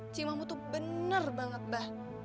cik mahmu tuh bener banget mbah